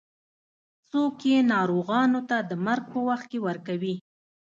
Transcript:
څوک یې ناروغانو ته د مرګ په وخت کې ورکوي.